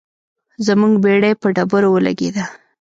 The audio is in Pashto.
زموږ بیړۍ په ډبرو ولګیده.